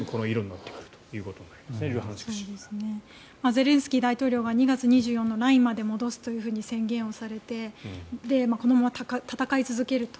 ゼレンスキー大統領が２月２４日のラインまで戻すと宣言されてこのまま戦い続けると。